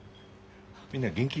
みんな元気？